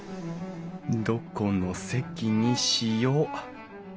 どこの席にしよう？